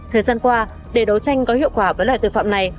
thời gian qua để đấu tranh có hiệu quả với loại tội phạm này